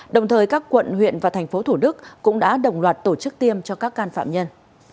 đồng thời các quận huyện và thành phố thủ đức cũng đã đồng loạt tổ chức tiêm cho các can phạm nhân